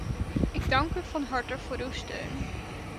Ik dank u van harte voor uw steun.